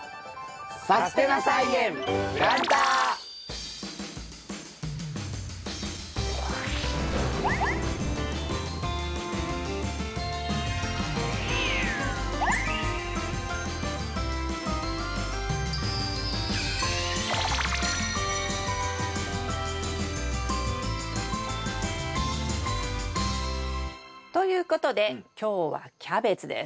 「さすてな菜園プランター」。ということで今日はキャベツです。